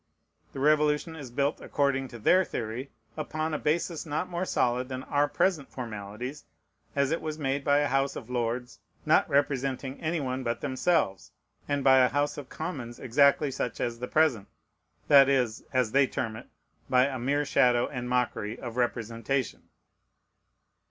The Revolution is built, according to their theory, upon a basis not more solid than our present formalities, as it was made by a House of Lords not representing any one but themselves, and by a House of Commons exactly such as the present, that is, as they term it, by a mere "shadow and mockery" of representation.